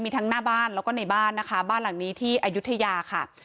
มีทั้งหน้าบ้านแล้วก็ในบ้านนะคะบ้านหลังนี้ที่อายุทยาค่ะ